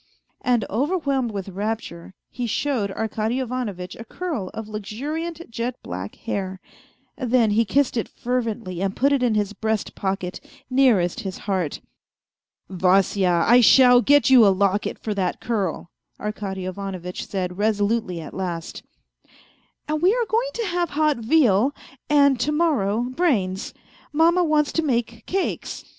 " And overwhelmed with rapture he showed Arkady Ivanovitch a curl of luxuriant, jet black hair ; then he kissed it fervently and put it in his breast pocket, nearest his heart. " Vasya, I shall get you a locket for that curl," Arkady Ivano vitch said resolutely at last. " And we are going to have hot veal, and to morrow brains. Mamma wants to make cakes